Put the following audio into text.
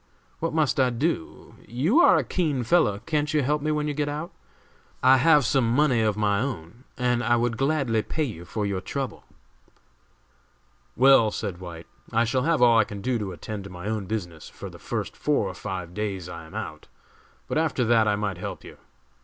What must I do? You are a keen fellow; can't you help me when you get out? I have some money of my own, and I would gladly pay you for your trouble." "Well," said White, "I shall have all I can do to attend to my own business for the first four or five days I am out, but after that I might help you.